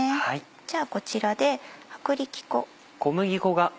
じゃあこちらで薄力粉。